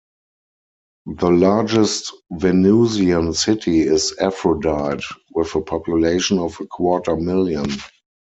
The largest Venusian city is Aphrodite, with a population of a quarter million.